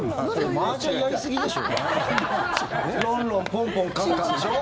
マージャンやりすぎだって。